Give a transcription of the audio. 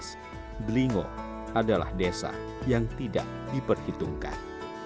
sebelum dua ribu dua belas dringo adalah desa yang tidak diperhitungkan